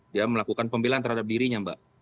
dia melakukan pembelaan terhadap dirinya mbak